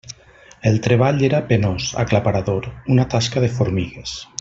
El treball era penós, aclaparador; una tasca de formigues.